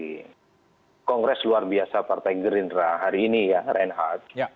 di kongres luar biasa partai gerindra hari ini ya reinhardt